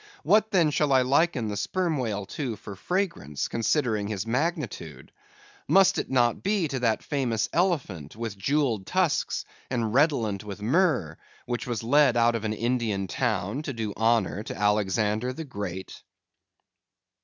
What then shall I liken the Sperm Whale to for fragrance, considering his magnitude? Must it not be to that famous elephant, with jewelled tusks, and redolent with myrrh, which was led out of an Indian town to do honor to Alexander the Great?